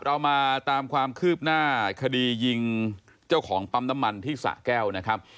เรามาตามความคืบหน้าคดียิงเจ้าของปั๊มน้ำมันที่สะแก้วนะครับ